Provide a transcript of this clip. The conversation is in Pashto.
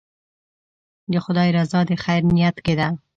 د خدای رضا د خیر نیت کې ده.